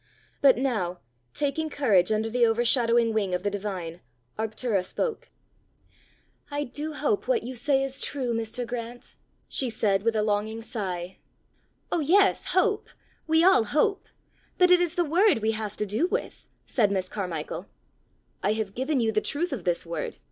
But now, taking courage under the overshadowing wing of the divine, Arctura spoke. "I do hope what you say is true, Mr. Grant!" she said with a longing sigh. "Oh yes, hope! we all hope! But it is the word we have to do with!" said Miss Carmichael. "I have given you the truth of this word!"